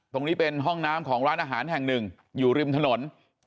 ตรงนี้เป็นห้องน้ำของร้านอาหารแห่งหนึ่งอยู่ริมถนน